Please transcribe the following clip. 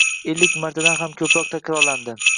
Ellik martadan ham koʻproq takrorlandi